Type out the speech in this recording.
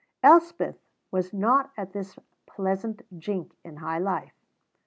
Elspeth was not at this pleasant jink in high life.